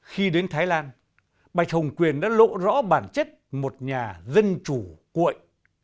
khi đến thái lan bạch hồng quyền đã lộ rõ bản chất một nhà dân chủ cuội